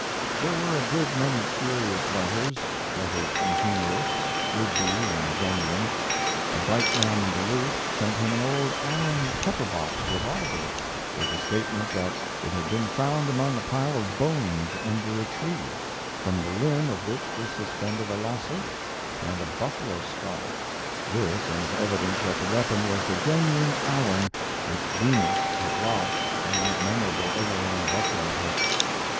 There were a good many curious letters letters from humorists, would be and genuine. A bright man in Duluth sent him an old Allen "pepper box" revolver with the statement that it had been found among a pile of bones under a tree, from the limb of which was suspended a lasso and a buffalo skull; this as evidence that the weapon was the genuine Allen which Bemis had lost on that memorable Overland buffalo hunt.